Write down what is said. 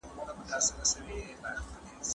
هغوی په تفریح کولو بوخت دي.